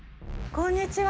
こんにちは。